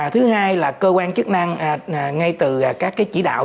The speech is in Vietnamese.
thứ hai là cơ quan chức năng ngay từ các chỉ đạo